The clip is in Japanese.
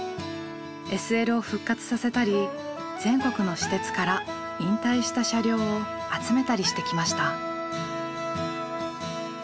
ＳＬを復活させたり全国の私鉄から引退した車両を集めたりしてきました。